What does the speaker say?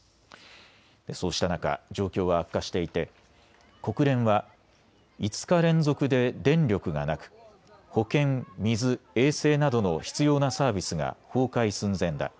そうした中、状況は悪化していて国連は、５日連続で電力がなく保健、水、衛生などの必要なサービスが崩壊寸前だ。